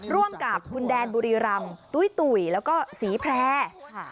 ร่วมกับคุณแดนบุรีรำตุ้ยตุ๋ยแล้วก็ศรีแพร่ค่ะ